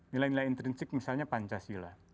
nilai nilai intrinsik misalnya pancasila